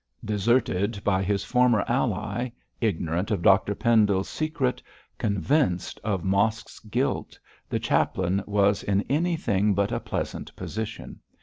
Deserted by his former ally, ignorant of Dr Pendle's secret, convinced of Mosk's guilt, the chaplain was in anything but a pleasant position.